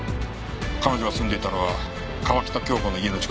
彼女が住んでいたのは川喜多京子の家の近くだ。